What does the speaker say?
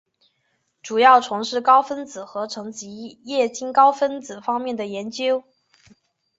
主要从事高分子合成及液晶高分子方面的研究。